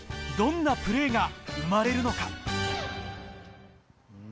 どんなプレーが生まれるのか。